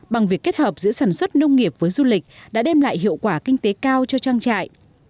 bằng việc kết hợp giữa sản xuất nông nghiệp với du lịch đã đem lại hiệu quả kinh tế cao cho trang trại